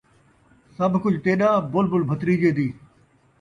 سب کجھ تیݙا ، بلبل بھتریجے دی